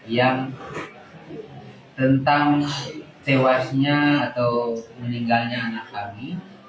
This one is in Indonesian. yang tentang tewasnya atau meninggalnya anak kami